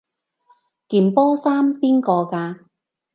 件波衫邊個㗎？